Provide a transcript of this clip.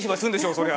そりゃ。